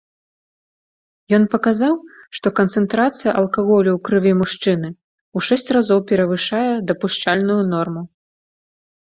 Ён паказаў, што канцэнтрацыя алкаголю ў крыві мужчыны ў шэсць разоў перавышае дапушчальную норму.